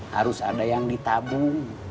harus ada yang ditabung